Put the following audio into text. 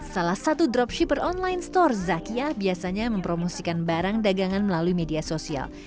salah satu dropshipper online store zakia biasanya mempromosikan barang dagangan melalui media sosial